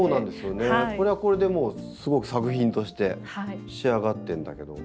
これはこれでもうすごく作品として仕上がってるんだけど。